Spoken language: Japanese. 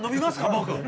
僕。